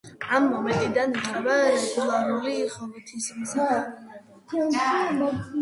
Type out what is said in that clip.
ამ მომენტიდან იწყება რეგულარული ღვთისმსახურება.